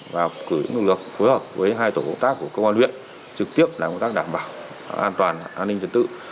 và phối hợp với hai tổ công tác của công an huyện trực tiếp đảm bảo an toàn an ninh trật tự